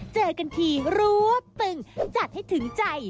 เจอกันทีรัวตึงจัดให้ถึงใจ